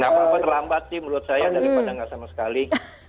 gak apa apa terlambat sih menurut saya daripada nggak sama sekali